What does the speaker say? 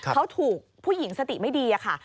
เขาถูกผู้หญิงสติไม่ดีค่ะ